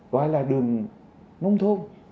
gọi là đường nông thôn